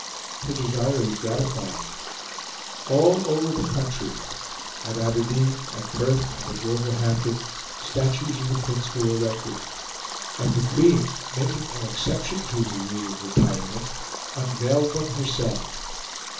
Her desire was gratified; all over the country at Aberdeen, at Perth, and at Wolverhampton statues of the Prince were erected; and the Queen, making an exception to her rule of retirement, unveiled them herself.